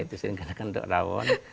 iya itu sendiri yang menggunakan rawon